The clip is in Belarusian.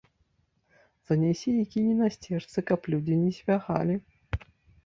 Занясе й кіне на сцежцы, каб людзі не звягалі.